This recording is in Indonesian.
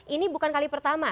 ini bukan kali pertama